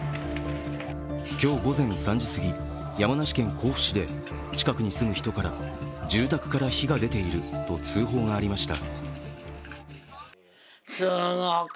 今日午前３時過ぎ、山梨県甲府市で近くに住む人から住宅から火が出ていると通報がありました。